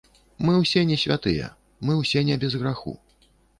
Мы ўсе не святыя, мы ўсё не без граху.